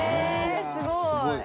すごい！